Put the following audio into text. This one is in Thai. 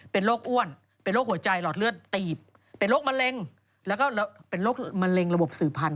เป็นโรคอ้วนเป็นโรคหัวใจหลอดเลือดตีบเป็นโรคมะเร็งแล้วก็เป็นโรคมะเร็งระบบสื่อพันธ